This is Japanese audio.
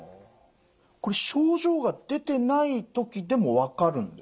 これ症状が出てない時でも分かるんですか？